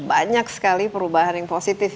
banyak sekali perubahan yang positif